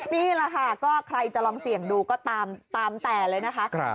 นี่แหละค่ะก็ใครจะลองเสี่ยงดูก็ตามแต่เลยนะคะ